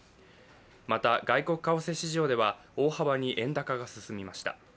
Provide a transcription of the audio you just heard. また、外国為替市場では大幅に円高が進みました。